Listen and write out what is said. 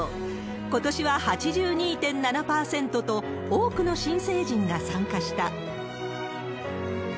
ことしは８２．７％と、多くの新成人が参加した。